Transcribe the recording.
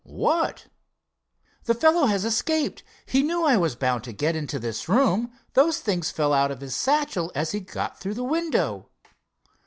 "What?" "The fellow has escaped. He knew I was bound to get into this room. Those things fell out of his satchel as he got through the window."